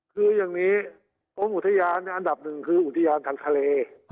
คืออย่างนี้กรมอุทยานอันดับหนึ่งคืออุทยานทางทะเล